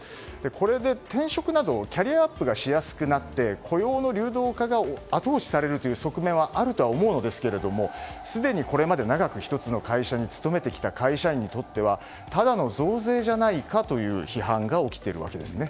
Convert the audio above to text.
これで転職などキャリアアップがしやすくなり雇用の流動化が後押しされるという側面はあるとは思うのですがすでにこれまで長く勤めてきた会社員にとってはただの増税じゃないかという批判が起きているわけですね。